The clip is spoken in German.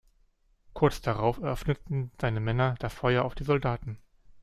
Kurz darauf eröffneten seine Männer das Feuer auf die Soldaten.